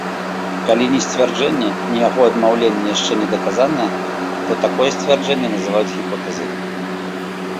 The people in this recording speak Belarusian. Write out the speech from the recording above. Калі ні сцвярджэнне, ні яго адмаўленне яшчэ не даказаныя, то такое сцвярджэнне называюць гіпотэзай.